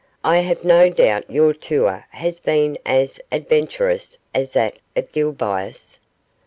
I have no doubt your tour has been as adventurous as that of Gil Bias.